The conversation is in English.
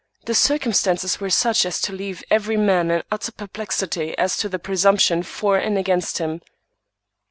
The circumstances were such as to leave every man in utter perplexity as to the presumption for and against him.